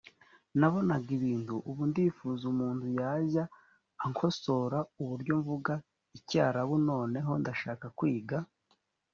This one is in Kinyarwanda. nabonaga ibintu. ubu ndifuza ko umuntu yajya ankosora uburyo mvuga icyarabu. noneho ndashaka kwiga